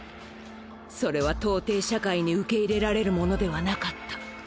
それは到底社会に受け入れられるモノではなかった。